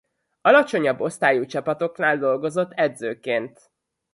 Alacsonyabb osztályú csapatoknál dolgozott edzőként.